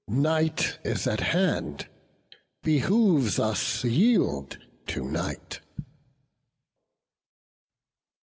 Night is at hand; behoves us yield to night."